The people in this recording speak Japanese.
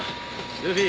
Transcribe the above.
ルフィ。